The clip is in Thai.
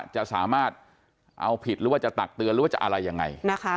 จะสามารถเอาผิดหรือว่าจะตักเตือนหรือว่าจะอะไรยังไงนะคะ